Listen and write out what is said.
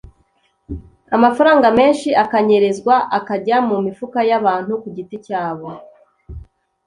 amafaranga menshi akanyerezwa akajya mu mifuka y’abantu ku giti cyabo.